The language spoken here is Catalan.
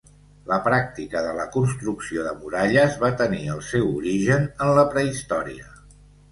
La pràctica de la construcció de muralles va tenir el seu origen en la prehistòria.